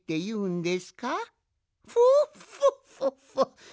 フォッフォッフォッフォッ。